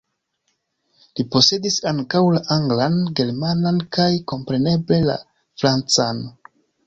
Li posedis ankaŭ la anglan, germanan kaj kompreneble la francan.